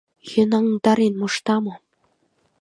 Йӧнаҥдарен мошта мо?